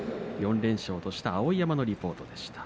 ４連勝とした碧山のリポートでした。